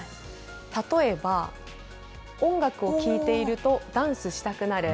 例えば、音楽を聴いていると、ダンスしたくなる。